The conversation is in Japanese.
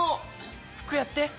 服やって。